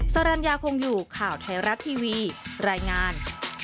สรรญาคงอยู่ข่าวไทยรัฐทีวีรายงาน